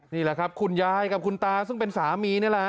นี่แหละครับคุณยายกับคุณตาซึ่งเป็นสามีนี่แหละ